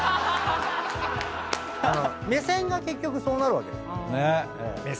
目線が結局そうなるわけですよね。